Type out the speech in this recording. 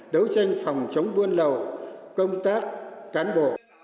đấu tranh phòng chống buôn lậu công tác cán bộ